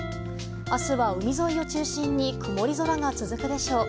明日は海沿いを中心に曇り空が続くでしょう。